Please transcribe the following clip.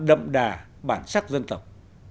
đậm đà bản sắc dân tộc